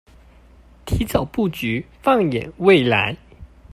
提早布局放眼未來